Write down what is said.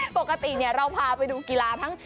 ปกติเราพาไปดูกีฬาทั้ง